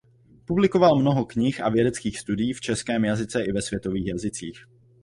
Publikoval mnoho knih a vědeckých studií v českém jazyce i ve světových jazycích.